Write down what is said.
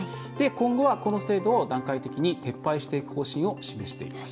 今後はこの制度を段階的に撤廃していく方針を示しています。